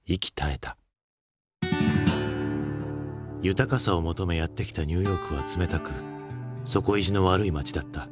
豊かさを求めやって来たニューヨークは冷たく底意地の悪い街だった。